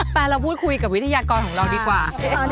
ไปเราพูดคุยกับวิทยากรของเราดีกว่า